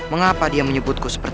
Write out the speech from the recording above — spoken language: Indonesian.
mengapa dia menyebutku saudara